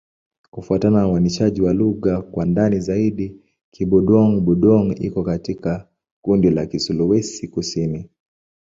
Kufuatana na uainishaji wa lugha kwa ndani zaidi, Kibudong-Budong iko katika kundi la Kisulawesi-Kusini.